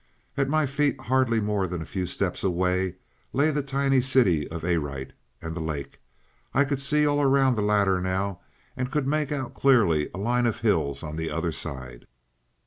"At my feet, hardly more than a few steps away, lay the tiny city of Arite and the lake. I could see all around the latter now, and could make out clearly a line of hills on the other side.